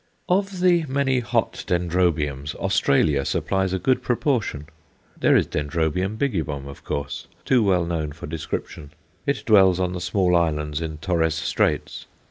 Of the many hot Dendrobiums, Australia supplies a good proportion. There is D. bigibbum, of course, too well known for description; it dwells on the small islands in Torres Straits.